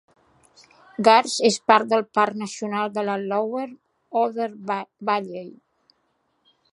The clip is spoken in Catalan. Gartz és part del Parc nacional de la Lower Oder Valley.